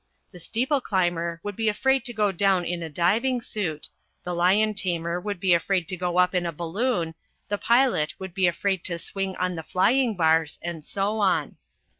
The steeple climber would be afraid to go down in a diving suit, the lion tamer would be afraid to go up in a balloon, the pilot would be afraid to swing on the flying bars, and so on.